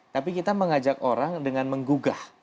tapi kita mengajak orang dengan menggugah